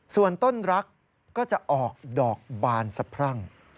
ส่วนต้นรักก็จะออกดอกบานสะพรั่ง